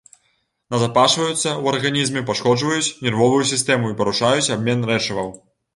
Назапашваюцца ў арганізме, пашкоджваюць нервовую сістэму і парушаюць абмен рэчываў.